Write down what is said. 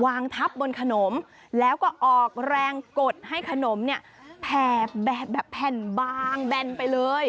วางทับบนขนมแล้วก็ออกแรงกดให้ขนมเนี่ยแผ่แบบแผ่นบางแบนไปเลย